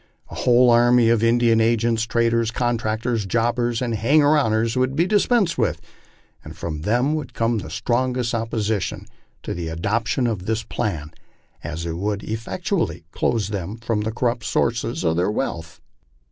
A whole army of Indian agents, traders, contractors, jobbers, and hangers on would be dispensed with, and from them would come the strongest opposition to the adoption of this plan, as it would effectually close to them the corrupt sources of their wealth."